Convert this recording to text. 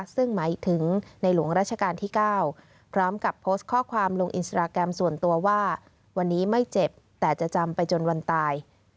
ซึ่งหมายถึงในหลวงราชการที่๙พร้อมกับโพสต์ข้อความลงอินสตราแกรมส่วนตัวว่าวันนี้ไม่เจ็บแต่จะจำไปจนวันตาย